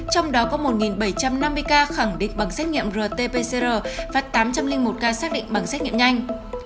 trong đó có một bảy trăm năm mươi ca khẳng định bằng xét nghiệm rt pcr và tám trăm linh một ca xác định bằng xét nghiệm nhanh